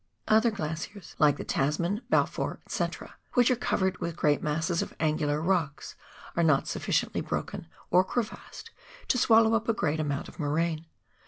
Other glaciers, like the Tasman, Balfour, &c., which are covered with great masses of angular rocks, are not sufficiently broken or crevassed to swallow up a great amount of moraine.